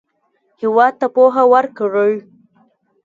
هېواد ته پوهه ورکړئ